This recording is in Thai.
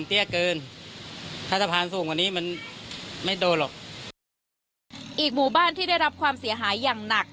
อีกหมู่บ้านที่ได้รับความเสียหายอย่างหนัก